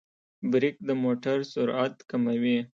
برېک د موټر سرعت کموي.